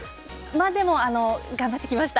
ま、でも頑張って来ました。